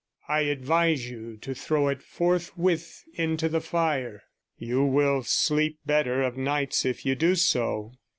I advise you to throw it forthwith into the fire; you will sleep better of nights if you do so.